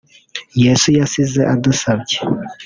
Yesu yasize adusabye